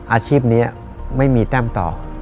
อาชีพนี้ไม่มีแต้มต่อ